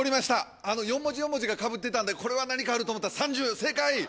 ４文字４文字がかぶってたんで、これは何かあると思ったらさんじゅう、正解！